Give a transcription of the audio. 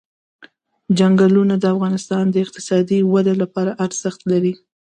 چنګلونه د افغانستان د اقتصادي ودې لپاره ارزښت لري.